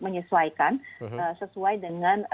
menyesuaikan sesuai dengan